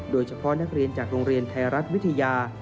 โดยเฉพาะนักเรียนจากโรงเรียนไทยรัฐวิทยา